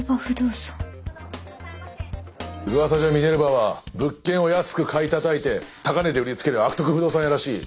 噂じゃミネルヴァは物件を安く買いたたいて高値で売りつける悪徳不動産屋らしい。